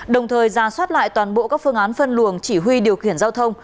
đồng thời ra soát lại toàn bộ các phương án phân luồng chỉ huy điều khiển giao thông